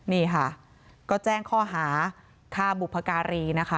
นี่ค่ะก็แจ้งข้อหาฆ่าบุพการีนะคะ